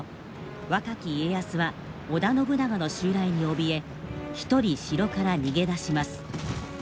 若き家康は織田信長の襲来におびえ一人城から逃げ出します。